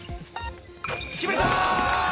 決めた。